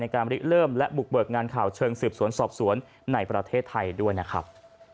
การริเริ่มและบุกเบิกงานข่าวเชิงสืบสวนสอบสวนในประเทศไทยด้วยนะครับ